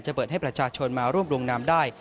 จะเปิดให้ประชาชนมาร่วมรวมน้ำได้